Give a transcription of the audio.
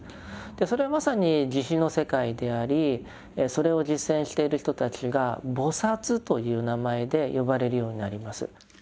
それはまさに慈悲の世界でありそれを実践している人たちが「菩」という名前で呼ばれるようになります。